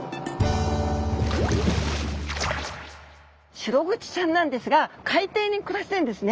シログチちゃんなんですが海底に暮らしているんですね。